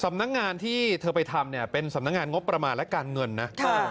สำนักงานที่เธอไปทำเนี่ยเป็นสำนักงานงบประมาณและการเงินนะ